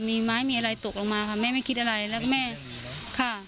มีไม้มีอะไรตกลงมาค่ะแม่ไม่คิดอะไรแล้วก็แม่ค่ะ